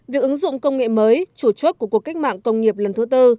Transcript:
việc ứng dụng công nghệ mới chủ chốt của cuộc cách mạng công nghiệp lần thứ tư